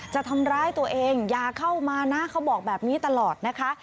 จะทำร้ายตัวเองอย่าเข้ามานะเขาบอกแบบนี้ตลอดนะคะ